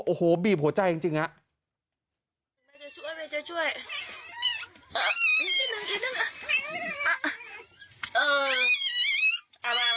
โอ้โหบีบหัวใจจริงฮะ